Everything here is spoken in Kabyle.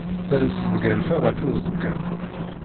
Ters tgerfa ɣef uẓekka.